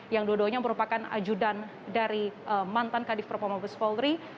yang dua duanya merupakan ajudan dari mantan kadif propa mabes polri